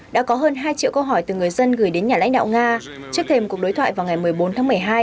đã có hơn hai triệu câu hỏi từ người dân gửi đến nhà lãnh đạo nga trước thêm cuộc đối thoại vào ngày một mươi bốn tháng một mươi hai